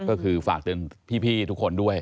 ก็คือฝากเตือนพี่ทุกคนด้วย